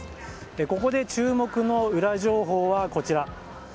ここで注目のウラ情報はこちら。